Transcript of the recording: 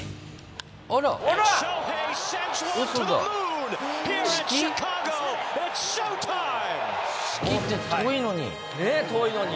あら、月って遠いのに。